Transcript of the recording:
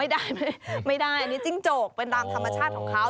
ไม่ได้ไม่ได้อันนี้จิ้งจกเป็นตามธรรมชาติของเขา